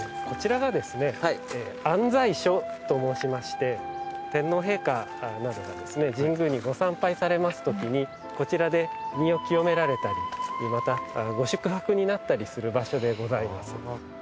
こちらが行在所と申しまして天皇陛下などが神宮にご参拝されますときにこちらで身を清められたりまたご宿泊になったりする場所でございます。